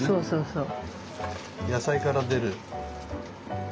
そう。